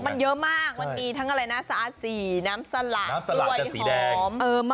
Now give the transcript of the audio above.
มันเยอะมากมันมีทั้งอะไรนะซาสีน้ำสละกล้วยหอม